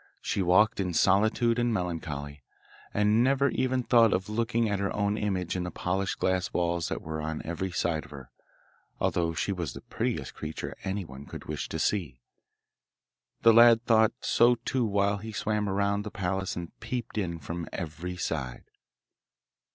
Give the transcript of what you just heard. She walked in solitude and melancholy, and never even thought of looking at her own image in the polished glass walls that were on every side of her, although she was the prettiest creature anyone could wish to see. The lad thought so too while he swam round the palace and peeped in from every side.